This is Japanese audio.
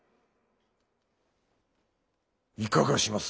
いかがします？